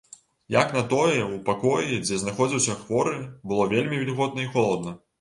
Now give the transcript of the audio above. Як на тое, у пакоі, дзе знаходзіўся хворы, было вельмі вільготна і холадна.